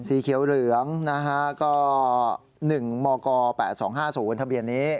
สีเขียวเหลืองนะฮะก็๑มก๘๒๕๐ทะเบียนนี้